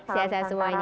salam sehat semuanya